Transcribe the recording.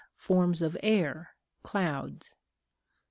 Forms of Air (Clouds).